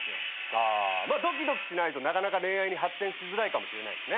あまあドキドキしないとなかなか恋愛に発展しづらいかもしれないですね。